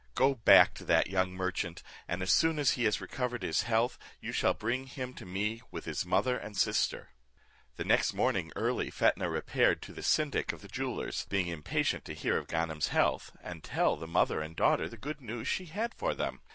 Go back to that young merchant, and as soon as he has recovered his health, you shall bring him to me with his mother and sister." The next morning early Fetnah repaired to the syndic of the jewellers, being impatient to hear of Ganem's health, and tell the mother and daughter the good news she had for them.